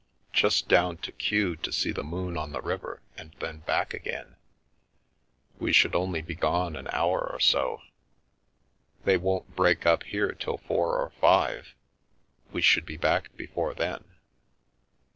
Just down to Kew to see the moon on the river and then back again — we should only be gone an hour or so. They won't break up here till four or five, we should be back before then.